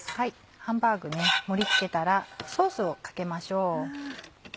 ハンバーグ盛り付けたらソースをかけましょう。